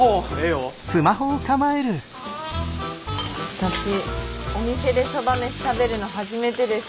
私お店でそばめし食べるの初めてです。